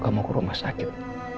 kamu ke rumah sakit